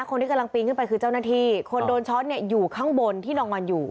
คนที่กำลังปีนขึ้นไปคือเจ้าหน้าที่คนโดนช้อนเนี่ยอยู่ข้างบนที่นอนอยู่